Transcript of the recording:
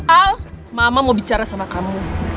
al mama mau bicara sama kamu